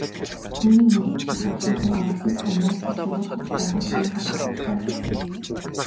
Түүнийг мөрдөн шалгах шийдвэр гаргасанд намайг тэр буруутгаж байгааг би гадарлаж байв.